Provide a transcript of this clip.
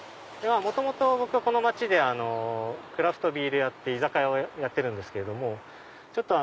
元々僕はこの町でクラフトビール屋って居酒屋をやってるんですけど。